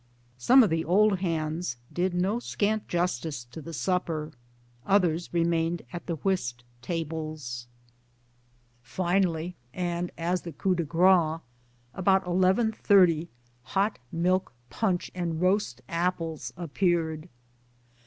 Some of the old hands did no scant justice to the supper ; others remained at the whist tables. Finally 74 MY DAYS AND DREAMS and as the coup de grace, about 1 1.30 hot milk punch and roast apples appeared 1